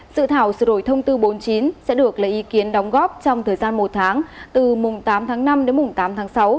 sự thảo sửa đổi thông tư bốn mươi chín sẽ được lấy ý kiến đóng góp trong thời gian một tháng từ mùng tám tháng năm đến mùng tám tháng sáu